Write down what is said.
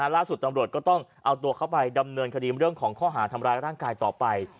ล่าสุดตำรวจก็ต้องเอาตัวเข้าไปดำเนินคดีเรื่องของข้อหาทำร้ายร่างกายต่อไป